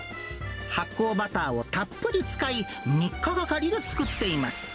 発酵バターをたっぷり使い、３日がかりで作っています。